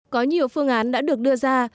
có nhiều phương án đã được đưa ra